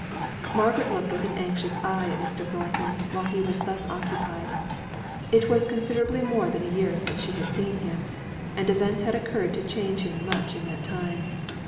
Margaret looked with an anxious eye at Mr. Thornton while he was thus occupied. It was considerably more than a year since she had seen him; and events had occurred to change him much in that time.